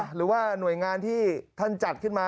หรือว่าหน่วยงานที่ท่านจัดขึ้นมา